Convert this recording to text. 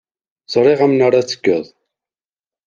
Ẓriɣ amnaṛ ad t-tekkeḍ.